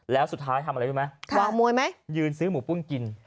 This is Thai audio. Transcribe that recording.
แล้วสุดท้ายทำอะไรรู้ไหมวางมวยไหมยืนซื้อหมูปุ้งกิน